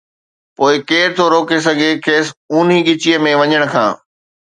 پوءِ ڪير ٿو روڪي سگهي کيس اونهي ڳچي ۾ وڃڻ کان.